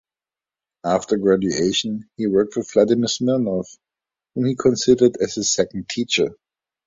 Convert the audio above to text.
After graduation he worked with Vladimir Smirnov, whom he considered as his second teacher.